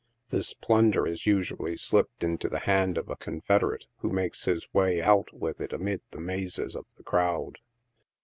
This plunder is usually slipped into the hand of a confederate, who makes his way out with it amid the mazes of the crowd.